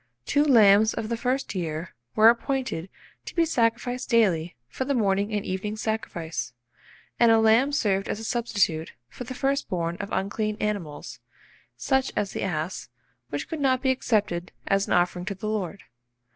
Two lambs "of the first year" were appointed to be sacrificed daily for the morning and evening sacrifice; and a lamb served as a substitute for the first born of unclean animals, such as the ass, which could not be accepted as an offering to the Lord.